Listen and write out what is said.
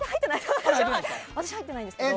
入ってないんですけど。